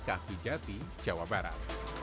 kahwi jati jawa barat